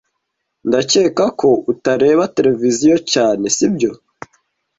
Ndakeka ko utareba televiziyo cyane, sibyo?